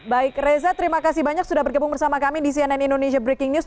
baik reza terima kasih banyak sudah bergabung bersama kami di cnn indonesia breaking news